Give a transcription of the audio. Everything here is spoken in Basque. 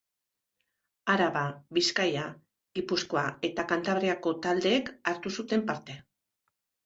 Araba, Bizkaia, Gipuzkoa eta Kantabriako taldeek hartu zuten parte.